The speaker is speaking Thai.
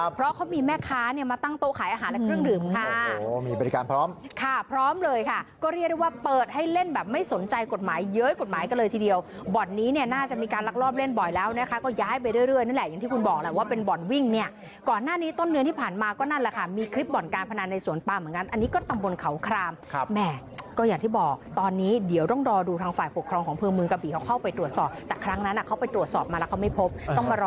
พร้อมค่ะพร้อมเลยค่ะก็เรียกได้ว่าเปิดให้เล่นแบบไม่สนใจกฎหมายเย้ยกฎหมายกันเลยทีเดียวบอทนี้น่าจะมีการลักลอบเล่นบ่อยแล้วนะคะก็ย้ายไปเรื่อยนั่นแหละอย่างที่คุณบอกแหละว่าเป็นบอทวิ่งเนี่ยก่อนหน้านี้ต้นเนื้อที่ผ่านมาก็นั่นแหละค่ะมีคลิปบอทการพนันในสวนปามเหมือนกันอันนี้ก็ต